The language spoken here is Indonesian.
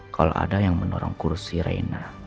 kalau ada yang menorong kursi rena